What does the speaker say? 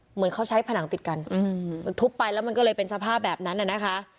เหมือนเขาใช้ผนังติดกันมันทุบไปแล้วมันก็เลยเป็นสภาพแบบนั้นน่ะนะคะ